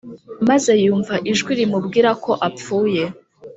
maze yumva ijwi rimubwira ko apfuye